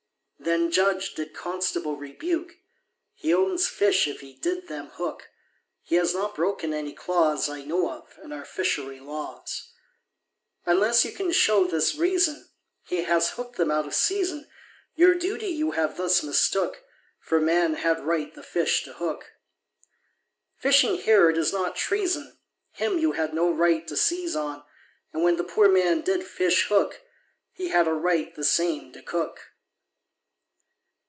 Then judge did constable rebuke, He owns fish if he did them hook, He has not broken any clause I know of in our fishery laws. Unless you can show this reason, He has hooked them out of season, Your duty you have thus mistook, For man had right the fish to hook. Fishing here it is not treason, Him you had no right to seize on, And when the poor man did fish hook, He had a right the same to cook.